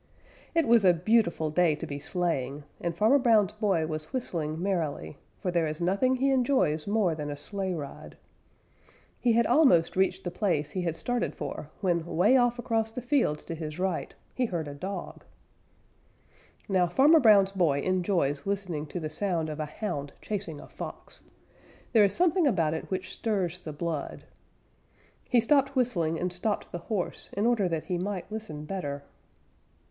It was a beautiful day to be sleighing, and Farmer Brown's boy was whistling merrily, for there is nothing he enjoys more than a sleigh ride. He had almost reached the place he had started for when 'way off across the fields to his right he heard a dog. Now Farmer Brown's boy enjoys listening to the sound of a Hound chasing a Fox. There is something about it which stirs the blood. He stopped whistling and stopped the horse in order that he might listen better.